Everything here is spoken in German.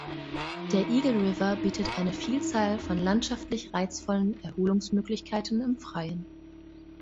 Der Eagle River bietet eine Vielzahl von landschaftlich reizvollen Erholungsmöglichkeiten im Freien.